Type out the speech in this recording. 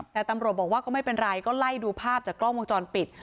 แต่ตำรวจบอกว่าก็ไม่เป็นไรก็ไล่ดูภาพจากกล้องวงจรปิด